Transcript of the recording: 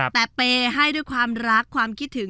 แต่เปย์ให้ด้วยความรักความคิดถึง